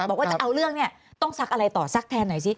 บอกว่าจะเอาเรื่องเนี่ยต้องซักอะไรต่อซักแทนหน่อยสิ